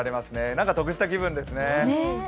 なんか得した気分ですよね。